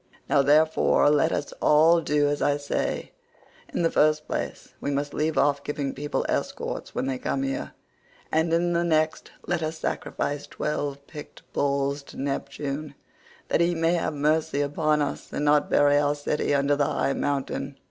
117 Now therefore let us all do as I say; in the first place we must leave off giving people escorts when they come here, and in the next let us sacrifice twelve picked bulls to Neptune that he may have mercy upon us, and not bury our city under the high mountain."